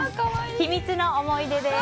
秘密の思い出です。